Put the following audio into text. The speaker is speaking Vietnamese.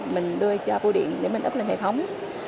mình đưa cho bưu điện để mình ấp lên hệ thống